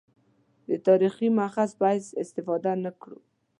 د تاریخي مأخذ په حیث استفاده نه کړو.